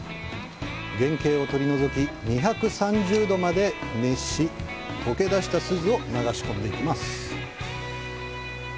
原型を取り除き、２３０度まで熱し、溶け出した錫を流し込んでいきます。